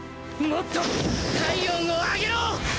もっと体温を上げろ！！